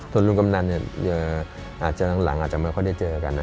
ตลอดรุมกำหนังหลังอาจจะไม่ค่อยได้เจอกัน